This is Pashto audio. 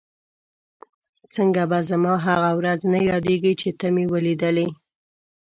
څنګه به زما هغه ورځ نه یادېږي چې ته مې ولیدلې؟